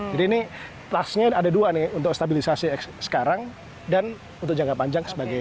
jadi ini plusnya ada dua nih untuk stabilisasi sekarang dan untuk jangka panjang sebagai